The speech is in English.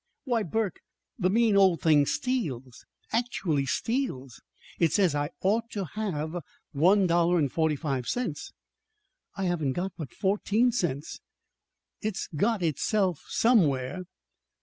"Why, Burke, the mean old thing steals actually steals! It says I ought to have one dollar and forty five cents; and I haven't got but fourteen cents! It's got it itself somewhere!"